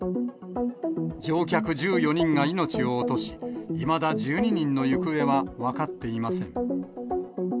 乗客１４人が命を落とし、いまだ１２人の行方は分かっていません。